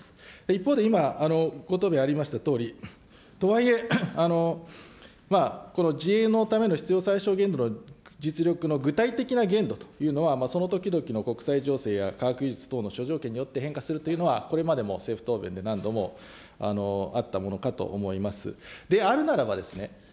一方で今、ご答弁ありましたとおり、とはいえ、自衛のための必要最小限度の実力の具体的な具体的な限度というのは、その時々の国際情勢や科学技術等の諸条件で変化するというのは、これまでも政府答弁でも何度もあったものかと思います。